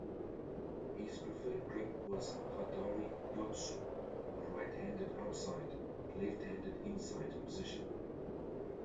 His preferred grip was "hidari-yotsu", a right hand outside, left hand inside position.